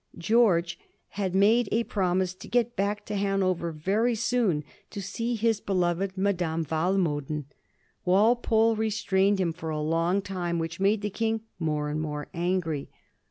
George had made a promise to get back to Hanover very soon to see his beloved Madame Walmo den. Walpole restrained him for a long time, which made the King more and more angry.